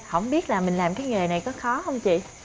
không biết là mình làm cái nghề này có khó không chị